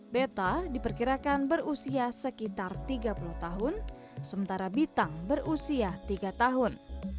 beta diperkirakan berusia sekitar tiga puluh tahun sementara bitang berusia tiga tahun